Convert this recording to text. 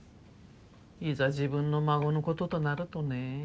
いざ自分の孫のこととなるとね。